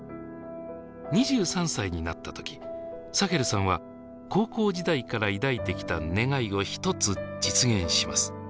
２３歳になった時サヘルさんは高校時代から抱いてきた願いを一つ実現します。